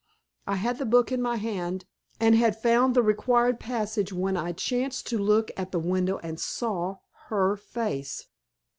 I had the book in my hand, and had found the required passage when I chanced to look at the window and saw her face."